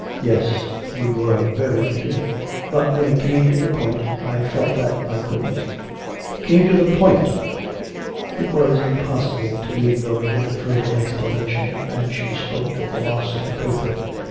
'Yes; we were very intimate, but, when it came to the point, I felt that I couldn't.' 'Came to the point!' It was impossible to lead Mildred into further explanation, and she spoke of the loss of the paper.